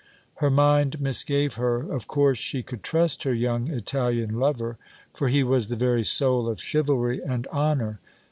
Her mind misgave her. Of course she could trust her young Italian lover, for he was the very soul of chivalry and honor.